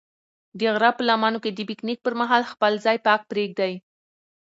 د غره په لمنو کې د پکنیک پر مهال خپل ځای پاک پرېږدئ.